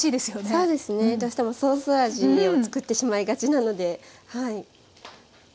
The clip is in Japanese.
そうですねどうしてもソース味を作ってしまいがちなので。